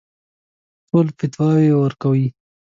ټول فتواوې ورکوي.